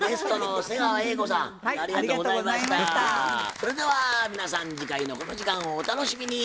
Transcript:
それでは皆さん次回のこの時間をお楽しみに。